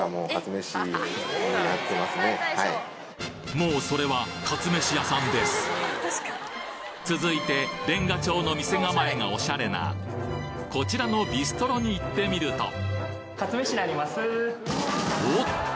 もうそれは続いて煉瓦調の店構えがオシャレなこちらのビストロに行ってみるとおっと！